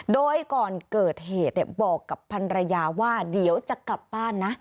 โดยก่อนเกิดเหตุบอกกับพันรยาว่าเดี๋ยวจะกลับบ้านนะ